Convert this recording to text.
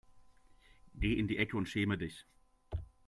Geh in die Ecke und schäme dich.